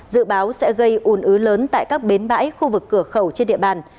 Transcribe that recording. dự báo sẽ gây ủn ứ lớn tại các bến bãi khu vực cửa khẩu trên địa bàn